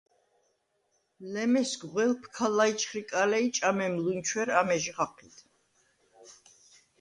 ლემესგ-ღველფ ქა ლაიჩხირკალე ი ჭამემ ლუნჩვერ ამეჟი ხაჴიდ.